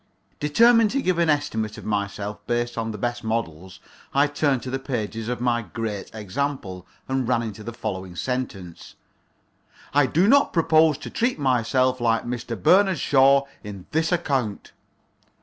Determined to give an estimate of myself based on the best models, I turned to the pages of my Great Example, and ran into the following sentence: "I do not propose to treat myself like Mr. Bernard Shaw in this account."